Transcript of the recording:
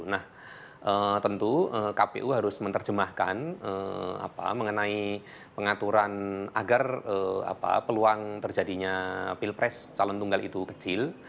nah tentu kpu harus menerjemahkan mengenai pengaturan agar peluang terjadinya pilpres calon tunggal itu kecil